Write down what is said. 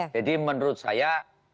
jadi menurut saya